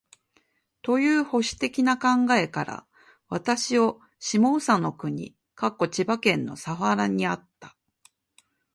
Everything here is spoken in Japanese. という保守的な考えから、私を下総国（千葉県）の佐原にあった